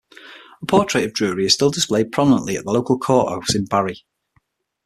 A portrait of Drury is still displayed prominently at the local courthouse in Barrie.